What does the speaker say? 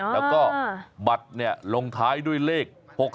แล้วก็บัตรลงท้ายด้วยเลข๖๒